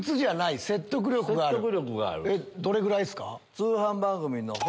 どれぐらいですか？